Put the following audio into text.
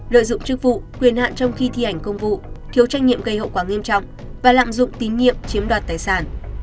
lợi dụng chức vụ quyền hạn trong khi thi hành công vụ thiếu tranh nhiệm gây hậu quả nghiêm trọng và lạm dụng tín nhiệm chiếm đoạt tài sản